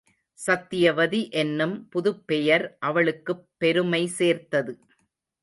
சத்தியவதி என்னும் புதுப்பெயர் அவளுக்குப் பெருமை சேர்த்தது.